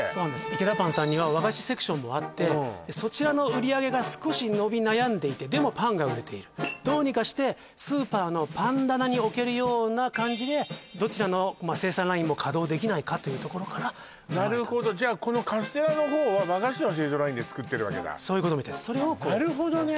イケダパンさんには和菓子セクションもあってそちらの売り上げが少し伸び悩んでいてでもパンが売れているどうにかしてスーパーのパン棚に置けるような感じでどちらの生産ラインも稼働できないかというところから生まれたんですなるほどじゃあこのカステラの方は和菓子の製造ラインで作ってるわけだそういうことみたいですなるほどね